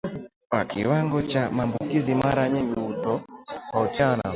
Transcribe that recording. Kiwango cha maambukizi mara nyingi hutofautiana